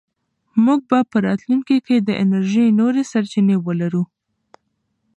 موږ به په راتلونکي کې د انرژۍ نورې سرچینې ولرو.